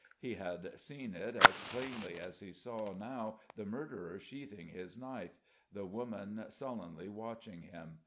He had seen it as plainly as he saw now the murderer sheathing his knife, the woman sullenly watching him.